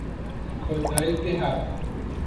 کۆتایی پێهات